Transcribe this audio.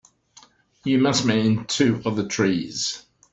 You must mean two other trees.